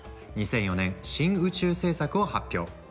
２００４年新宇宙政策を発表。